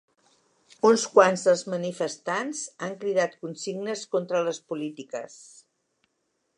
Uns quants dels manifestants han cridat consignes contra les polítiques.